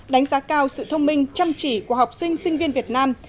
đánh giá cao sự thông minh chăm chỉ của học sinh sinh viên việt nam